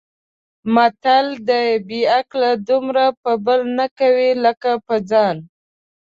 متل دی: بې عقل دومره په بل نه کوي لکه په ځان.